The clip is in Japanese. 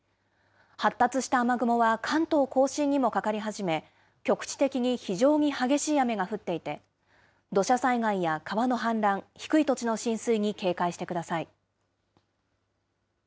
発達した雨雲は関東甲信にもかかり始め、局地的に非常に激しい雨が降っていて、土砂災害や川の氾濫、低い土地の浸水に警戒してください。